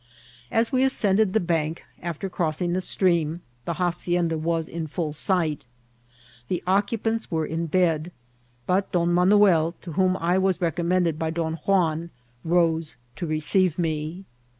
As we ascended the bank after crossing the stream, the hacienda was in full sight. The occupants were in bed, but Don Manuel, to whom I was recommended by Bon Juan, rose to receiTe me.